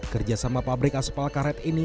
kerjasama pabrik aspal karet ini